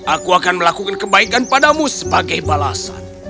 aku akan melakukan kebaikan padamu sebagai balasan